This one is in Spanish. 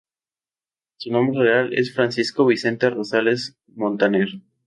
Su nombre real es Francisco Vicente Rosales-Montaner.